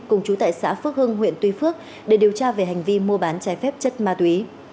cùng chú tại xã phước hưng huyện tuy phước để điều tra về hành vi mua bán trái phép chất ma túy